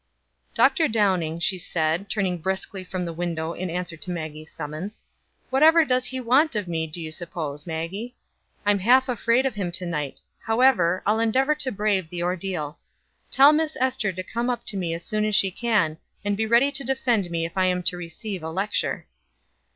"Dr. Downing," she said, turning briskly from the window in answer to Maggie's summons. "Whatever does he want of me do you suppose, Maggie? I'm half afraid of him tonight. However, I'll endeavor to brave the ordeal. Tell Miss Ester to come up to me as soon as she can, and be ready to defend me if I am to receive a lecture."